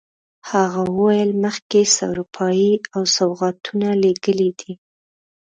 هغه وویل مخکې سروپايي او سوغاتونه لېږلي دي.